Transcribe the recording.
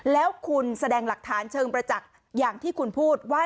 แล้วคุณแสดงหลักฐานเชิงประจักษ์อย่างที่คุณพูดว่า